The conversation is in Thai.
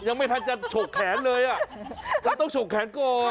ยังไม่ทันจะฉกแขนเลยอ่ะเราต้องฉกแขนก่อน